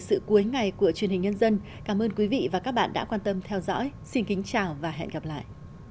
sự cuối ngày của truyền hình nhân dân cảm ơn quý vị và các bạn đã quan tâm theo dõi xin kính chào và hẹn gặp lại